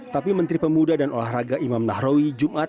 tapi menteri pemuda dan olahraga imam nahrawi jumat